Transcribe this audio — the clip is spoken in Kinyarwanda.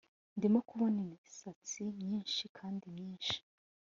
Ndimo kubona imisatsi myinshi kandi myinshi